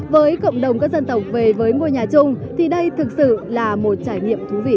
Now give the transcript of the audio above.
với cộng đồng các dân tộc về với ngôi nhà chung thì đây thực sự là một trải nghiệm thú vị